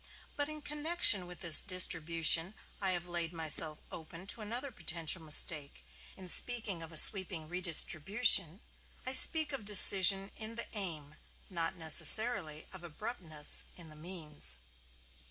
But in connection with this distribution I have laid myself open to another potential mistake. In speaking of a sweeping redistribution, I speak of decision in the aim, not necessarily of abruptness in the means.